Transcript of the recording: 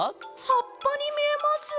はっぱにみえます。